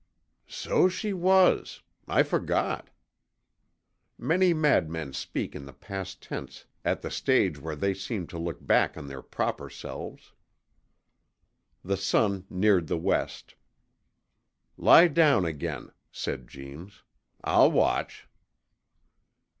'So she was! I forgot!' Many madmen speak in the past tense at the stage where they seem to look back on their proper selves. The sun neared the west. 'Lie down again,' said Jeems; 'I'll watch.'